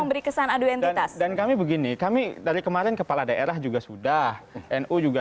memberi kesan aduan dan kami begini kami dari kemarin kepala daerah juga sudah nu juga